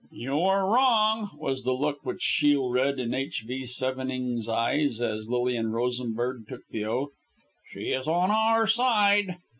"You were wrong," was the look which Shiel read in H.V. Sevenning's eyes, as Lilian Rosenberg took the oath. "She is on our side."